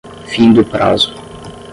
Findo o prazo